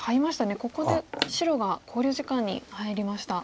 ここで白が考慮時間に入りました。